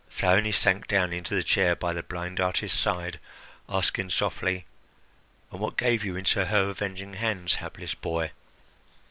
Thyone sank down into the chair by the blind artist's side, asking softly, "And what gave you into her avenging hands, hapless boy?"